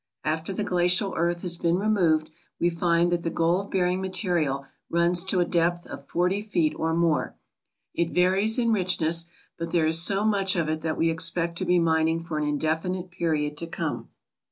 After the glacial earth has been removed we find that the gold bearing material runs to a depth of forty feet or more. It varies in richness, but there is so much of it that we expect to be mining for an indefinite period to come.